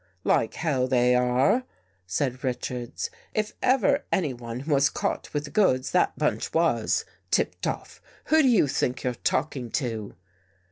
" Like hell, they are," said Richards. " If ever anyone was caught with the goods, that bunch was. Tipped off ! Who do you think you're talking to?"